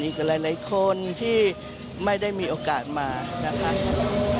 หลายคนที่ไม่ได้มีโอกาสมานะคะ